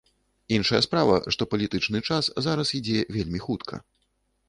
Іншая справа, што палітычны час зараз ідзе вельмі хутка.